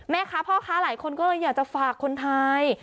พ่อค้าหลายคนก็เลยอยากจะฝากคนไทย